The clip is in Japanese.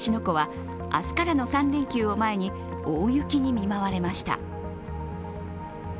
湖は明日からの３連休を前に大雪に見舞われました。